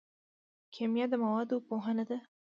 کیمیا د موادو پوهنه ده